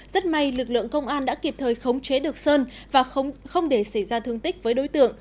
rất may lực lượng công an đã kịp thời khống chế được sơn và không để xảy ra thương tích với đối tượng